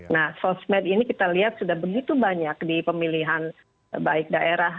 nah sosmed ini kita lihat sudah begitu banyak di pemilihan baik daerah